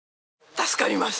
助かります。